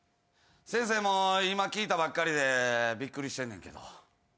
先生も今聞いたばっかりでびっくりしてんねんけど。